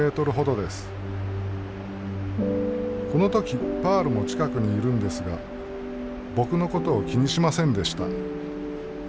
この時パールも近くにいるんですが僕のことを気にしませんでした。